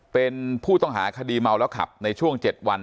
เป็นผู้ต้องหาคดีเมาแล้วขับในช่วง๗วัน